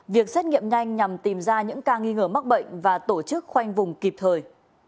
việc xét nghiệm nhanh nhằm tìm ra những ca nghi ngờ mắc bệnh và tổ chức khoanh vùng kịp thời